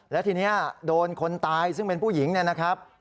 แล้วทีนี้โดนคนตายซึ่งเป็นผู้หญิงเนี่ยนะครับ